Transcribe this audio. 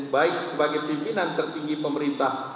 baik sebagai pimpinan tertinggi pemerintah